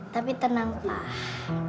tapi tenang pak